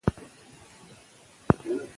لغتونه ورو زده کېږي.